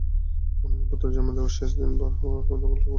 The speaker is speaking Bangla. মনোনয়নপত্র জমা দেওয়ার শেষ দিন পার হওয়ায় গতকাল শুক্রবার বাড়ি ফিরেছেন।